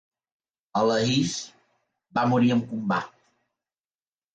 Alahis va morir en combat.